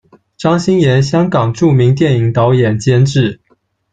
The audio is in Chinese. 张鑫炎，香港着名电影导演、监制。